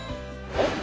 えっ！？